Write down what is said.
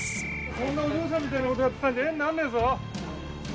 そんなお嬢さんみたいなことやってたんじゃ、絵になんねえぞ。